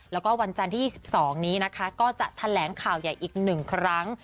แล้วก็วันจันทร์ที่๒๒นี้นะคะก็จะแถลงข่าวใหญ่อีก๑ครั้ง